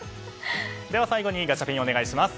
では最後にガチャピンお願いします。